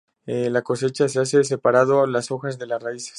La cosecha se hace separando las hojas de las raíces.